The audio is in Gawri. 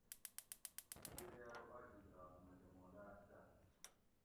بیرے ارو آجیگ رات مکہ مھلات دہ